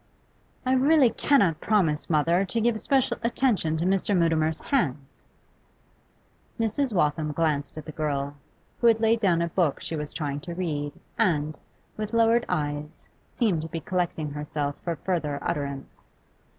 'I really cannot promise, mother, to give special attention to Mr. Mutimer's hands.' Mrs. Waltham glanced at the girl, who had laid down a book she was trying to read, and, with lowered eyes, seemed to be collecting herself for further utterance.